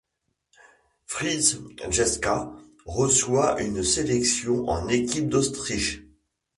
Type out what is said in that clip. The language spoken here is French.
Fritz Cejka reçoit une sélection en équipe d'Autriche.